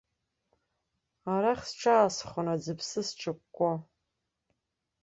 Арахь сҿаасхон аӡыԥсы сҿыкәкәо.